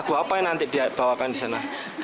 lagu apa yang nanti dibawakan di sana